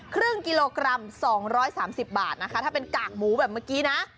ครึ่งกิโลกรัม๒๓๐บาทนะคะถ้าเป็นกากหมูแบบเมื่อกี้นะ